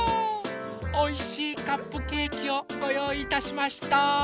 おいしいカップケーキをごよういいたしました。